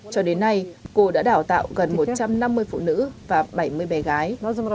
cho đến nay cô đã đào tạo gần một trăm năm mươi phụ nữ và bảy mươi bé gái